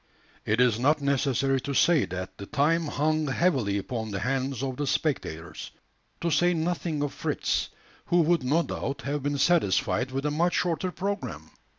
It is not necessary to say that the time hung heavily upon the hands of the spectators to say nothing of Fritz, who would no doubt have been satisfied with a much shorter programme.